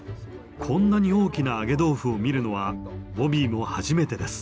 こんなに大きな揚げ豆腐を見るのはボビーも初めてです。